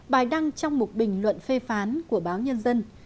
bài đăng trong một bình luận phê phán của báo nhân dân